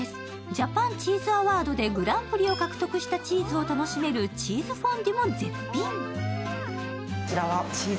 ジャパンチーズアワードでグランプリを獲得したチーズを楽しめるチーズフォンデュも絶品。